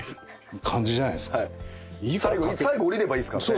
最後下りればいいですからね。